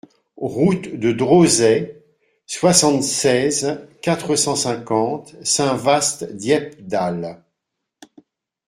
Route de Drosay, soixante-seize, quatre cent cinquante Saint-Vaast-Dieppedalle